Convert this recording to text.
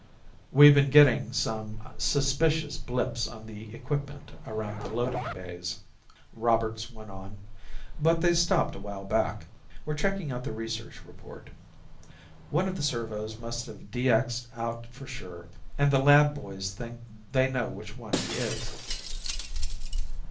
"We been getting some suspicious blips on the equipment around the loading bays," Roberts went on, "but they stopped a while back. We're checking out the research report. One of the servos must have DX'ed out for sure and the lab boys think they know which one he is."